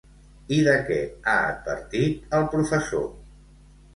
I de què ha advertit el professor?